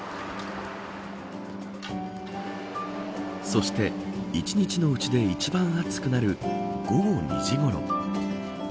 そして１日のうちで一番熱くなる午後２時ごろ。